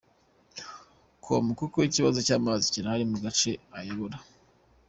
com ko koko ikibazo cy’amazi gihari mu gace ayoboye.